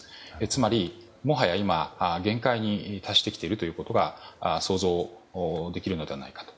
つまり、もはや今限界に達してきていることが想像できるのではないかと。